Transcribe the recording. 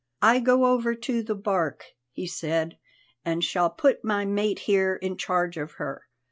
"I go over to the bark," he said, "and shall put my mate here in charge of her.